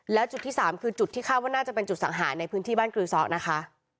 แล้วจุดที่๓คือจุดที่คาดว่าน่าจะเป็นจุดสังหารในพื้นที่บ้านกรือซะนะคะ